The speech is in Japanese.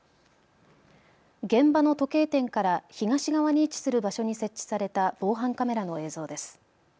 現場の時計店から東側に位置する場所に設置された防犯カメラの映像です。